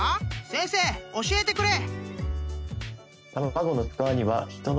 先生教えてくれ！］